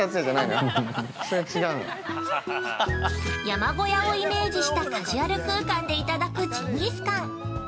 ◆山小屋をイメージしたカジュアル空間でいただくジンギスカン。